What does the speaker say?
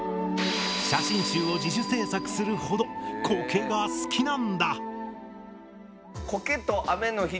写真集を自主制作するほどコケが好きなんだ。